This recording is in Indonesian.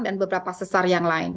dan beberapa sesar yang lain